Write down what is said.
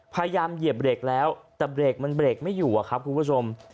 เหยียบเบรกแล้วแต่เบรกมันเบรกไม่อยู่อะครับคุณผู้ชม